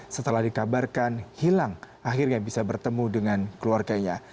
setelah dikabarkan hilang akhirnya bisa bertemu dengan keluarganya